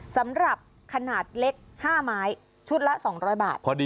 สำหรับขนาดเล็ก๕ไม้ชุดละ๒๐๐บาท